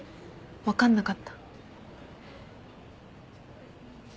分かんなかった。